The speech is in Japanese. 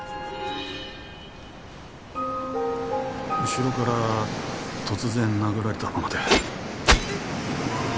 後ろから突然殴られたもので。